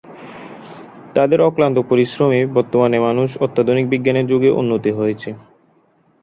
তাদের অক্লান্ত পরিশ্রমেই বর্তমানে মানুষ অত্যাধুনিক বিজ্ঞানের যুগে উন্নীত হয়েছে।